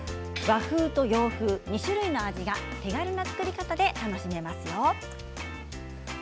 和風と洋風、２種類の味が手軽な作り方で楽しめますよ。